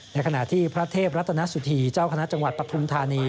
ในขณะที่พระเทพรัตนสุธีเจ้าคณะจังหวัดปฐุมธานี